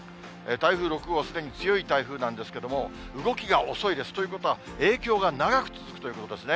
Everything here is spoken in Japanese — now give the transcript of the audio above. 台風６号はすでに強い台風なんですけれども、動きが遅いです。ということは、影響が長く続くということですね。